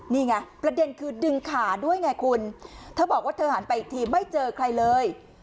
นี่ไงประเด็นคือดึงขาด้วยไงคุณเธอบอกว่าเธอหันไปอีกทีไม่เจอใครเลย